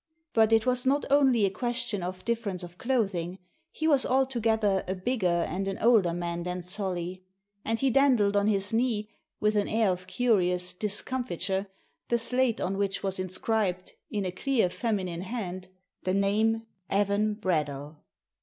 But it was not only a question of difference of clothing; he was altogether a bigger and an older man than Solly. And he dandled on his knee, with an air of curious discomfiture, the slate on which was inscribed, in a clear, feminine hand, the name "Evan Bradell."